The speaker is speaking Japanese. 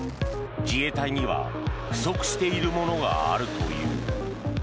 自衛隊には不足しているものがあるという。